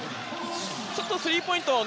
ちょっとスリーポイント